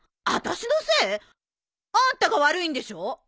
あたしのせい！？あんたが悪いんでしょ。